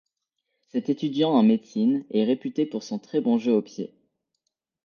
Cet étudiant en médecine est réputé pour son très bon jeu au pied.